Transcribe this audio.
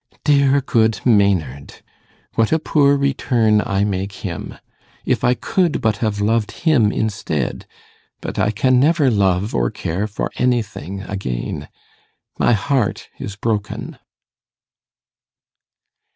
'Dear, good Maynard! what a poor return I make him! If I could but have loved him instead but I can never love or care for anything again. My heart is broken.